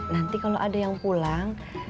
nanti kalau ada yang pulang